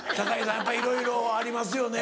やっぱりいろいろありますよね。